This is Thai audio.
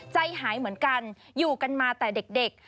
ใจหายเหมือนกันอยู่กันมาแต่เด็ก